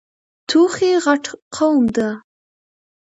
توخی غټ قوم ده.